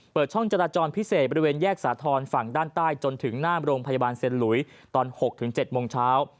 เปิดช่องจราจรพิเศษบริเวณแยกสาธรณ์ฝั่งด้านใต้จนถึงหน้าโรงพยาบาลเซ็นหลุยตอน๖๗โมงเช้า